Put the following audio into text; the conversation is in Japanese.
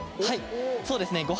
はいそうですね